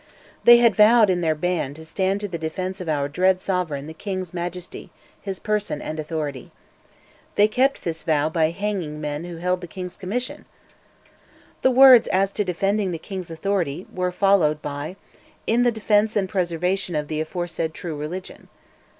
They had vowed, in their band, to "stand to the defence of our dread Sovereign the King's Majesty, his person and authority." They kept this vow by hanging men who held the king's commission. The words as to defending the king's authority were followed by "in the defence and preservation of the aforesaid true religion."